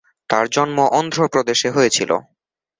তার জন্ম অন্ধ্র প্রদেশে হয়েছিলো।